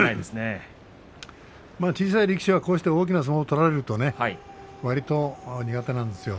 小さい力士はこうして大きい相撲を取られるとわりと苦手なんですよ。